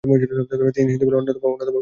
তিনি হিন্দু মেলার অন্যতম পৃষ্ঠপোষক ছিলেন।